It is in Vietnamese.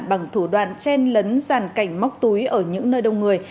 bằng thủ đoạn chen lấn giàn cảnh móc túi ở những nơi đông người